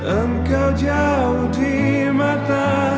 engkau jauh di mata